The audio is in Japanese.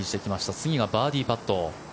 次がバーディーパット。